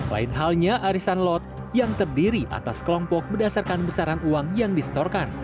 lain halnya arisan lot yang terdiri atas kelompok berdasarkan besaran uang yang distorkan